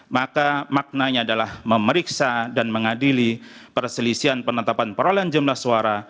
maka maknanya adalah memeriksa dan mengadili perselisian penetapan perolehan jumlah suara